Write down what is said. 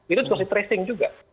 itu juga di tracing juga